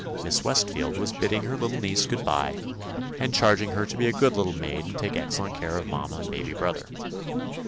Miss Westfield was bidding her little niece good bye, and charging her to be a good little maid and take excellent care of mam ma and baby brother.